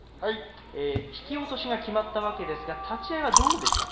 引き落としがきまったわけですが立ち合いはどうでしたか。